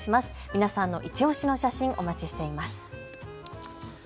皆さんのいちオシの写真お待ちしております。